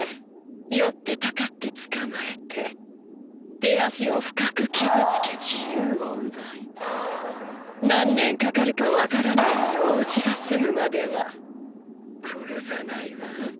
寄ってたかって捕まえて手足を深く傷つけ自由を奪い何年かかるか分からない用事が済むまでは殺さないわ。